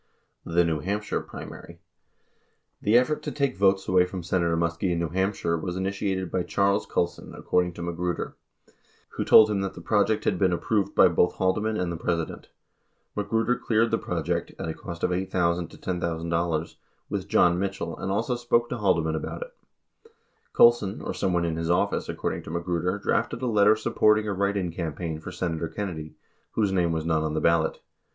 The New Hampshire Primary : The effort to take votes away from Senator Muskie in New Hampshire was initiated by Charles Colson, according to Magruder, who told him that the project had been ap proved by both Haldeman and the President. 58 Magruder cleared the project (at a cost of $8,000 $10,000) with John Mitchell and also spoke to Haldeman about it. 59 Colson, or someone in his office, accord ing to Magruder, drafted a letter supporting a write in campaign for Senator Kennedy, whose name was not on the ballot.